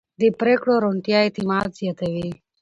د پرېکړو روڼتیا اعتماد زیاتوي